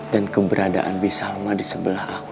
dan keberadaan bisalma di sebelah aku